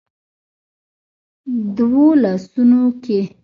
دوو لاسونو کې